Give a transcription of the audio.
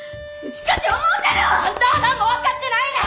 あんたは何も分かってないねん！